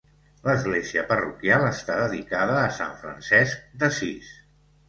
L'església parroquial està dedicada a Sant Francesc d'Assís.